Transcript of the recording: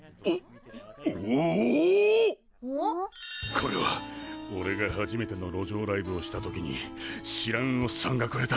これはおれが初めての路上ライブをした時に知らんおっさんがくれた。